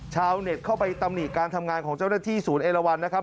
ชาวเน็ตเข้าไปตำหนิการทำงานของเจ้าหน้าที่ศูนย์เอลวันนะครับ